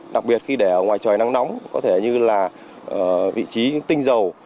đặc biệt khi để ở ngoài trời nắng nóng có thể như là vị trí tinh dầu